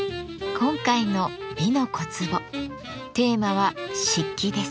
今回の「美の小壺」テーマは「漆器」です。